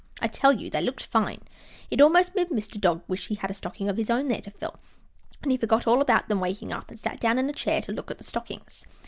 I tell you, they looked fine! It almost made Mr. Dog wish he had a stocking of his own there to fill, and he forgot all about them waking up, and sat down in a chair to look at the stockings.